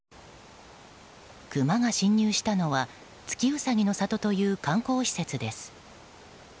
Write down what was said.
クマが侵入したのは月うさぎの里という観光施設です。